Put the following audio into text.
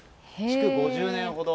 築５０年ほど。